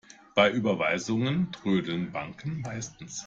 Bei Überweisungen trödeln Banken meistens.